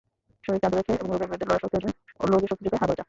শরীরকে আর্দ্র রাখে এবং রোগের বিরুদ্ধে লড়ার শক্তি জোগায় হারবাল চা।